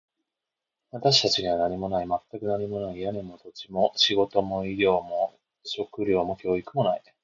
私たちには何もない。全く何もない。屋根も、土地も、仕事も、医療も、食料も、教育もない。